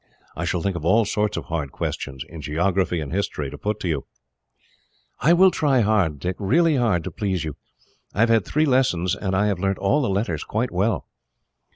I shall think of all sorts of hard questions, in geography and history, to put to you." "I will try hard, Dick, really hard, to please you. I have had three lessons, and I have learnt all the letters quite well."